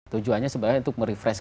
tujuannya sebenarnya untuk merefresh